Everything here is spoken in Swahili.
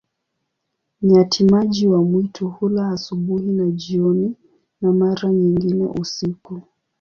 Nyati-maji wa mwitu hula asubuhi na jioni, na mara nyingine usiku.